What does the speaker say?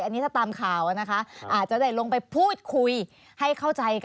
อันนี้ถ้าตามข่าวนะคะอาจจะได้ลงไปพูดคุยให้เข้าใจกัน